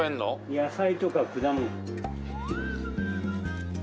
野菜とか果物。